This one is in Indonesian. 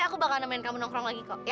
aku bakal nemenin kamu nongkrong lagi kok ya